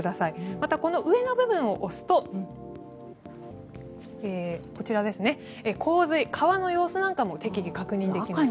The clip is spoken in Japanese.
また、この上の部分を押すと洪水、川の様子なんかも適宜確認できます。